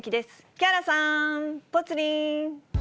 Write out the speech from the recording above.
木原さん、ぽつリン。